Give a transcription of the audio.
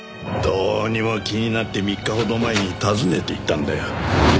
どうにも気になって３日ほど前に訪ねていったんだよ。